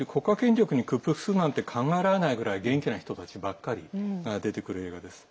国家権力に屈服するなんて考えられないくらい元気な人たちばかりが出てきます。